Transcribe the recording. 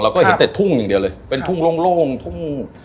ก็เห็นแต่ทุ่งอย่างเดียวเลยเป็นทุ่งโล่งทุ่ง